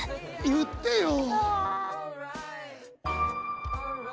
言ってよ。